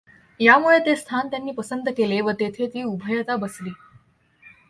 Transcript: यामुळे ते स्थान त्यांनी पसंत केले व तेथे ती उभयता बसली.